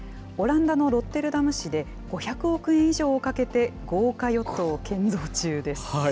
オランダのロッテルダム市で、５００億円以上をかけて、豪華ヨットを建造中です。